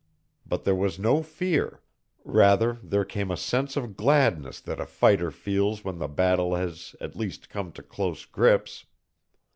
But there was no fear. Rather there came a sense of gladness that a fighter feels when the battle has at last come to close grips.